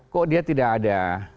kok dia tidak ada